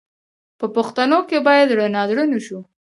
په پوښتنو کې باید زړه نازړه نه شو.